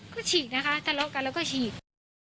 ก็ฉีกนะคะทะเลาะกันแล้วก็ฉีก